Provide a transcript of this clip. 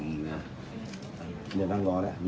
เดี๋ยวสามคนลองเปิดเจน